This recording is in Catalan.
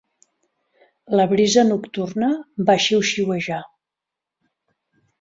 La brisa nocturna va xiuxiuejar.